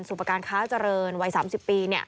สุปการณ์ค้าเจริญวัย๓๐ปี